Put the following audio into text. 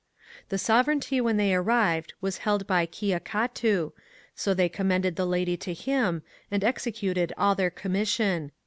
^ The sovereignty when they arrived was held by Kia CATU, so they commended the Lady to him, and executed all their commission.